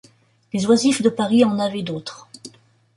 Les oisifs de Paris en avaient d’autres.